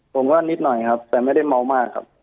ผมว่านิดหน่อยครับแต่ไม่ได้เมามากครับ